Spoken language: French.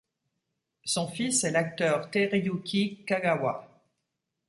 Son fils est l'acteur Teruyuki Kagawa.